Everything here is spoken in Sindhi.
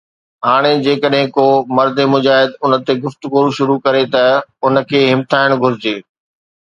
هاڻي جيڪڏهن ڪو مرد مجاهد ان تي ”گفتگو“ شروع ڪري ته ان کي همٿائڻ گهرجي؟